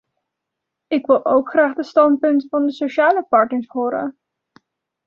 Ik wil ook graag de standpunten van de sociale partners horen.